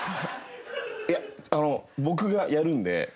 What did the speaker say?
いやあの僕がやるんで。